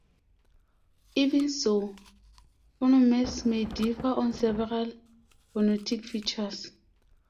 Even so, phonemes may differ on several phonetic features.